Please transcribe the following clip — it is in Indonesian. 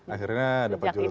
akhirnya dapat julukan itu deh